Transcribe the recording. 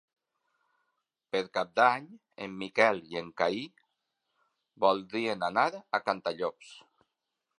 Per Cap d'Any en Miquel i en Cai voldrien anar a Cantallops.